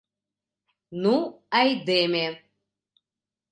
«Ну, айдеме!